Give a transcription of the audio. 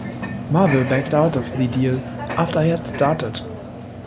Marvel backed out of the deal after I had started.